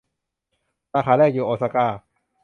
สาขาแรกอยู่โอซาก้า